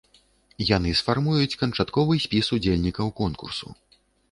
Яны сфармуюць канчатковы спіс удзельнікаў конкурсу.